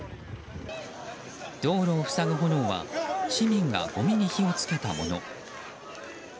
道路を塞ぐ炎は市民がごみに火を付けたもの。